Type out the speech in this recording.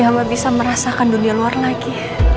bahwa bisa merasakan dunia luar lagi